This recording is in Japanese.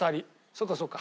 そうかそうか。